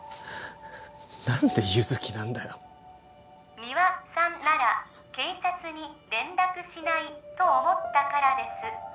何で優月なんだよ三輪さんなら警察に連絡しないと思ったからです